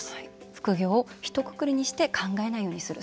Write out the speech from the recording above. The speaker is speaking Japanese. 副業を、ひとくくりにして考えないようにする。